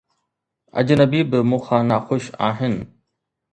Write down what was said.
اجنبي به مون کان ناخوش آهن